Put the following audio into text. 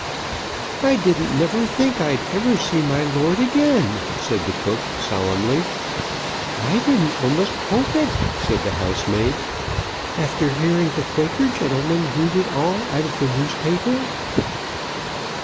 "I didn't never think I'd ever see my lord again," said the cook solemnly. "I didn't a'most hope it," said the housemaid, "after hearing the Quaker gentleman read it all out of the newspaper."